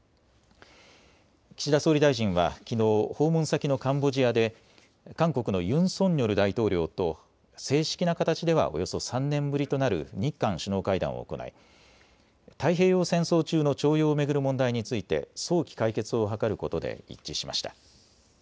岸田総理大臣はきのう訪問先のカンボジアで韓国のユン・ソンニョル大統領と正式な形ではおよそ３年ぶりとなる日韓首脳会談を行い、太平洋戦争中の徴用を巡る問題について早期解決を図ることで一致しました。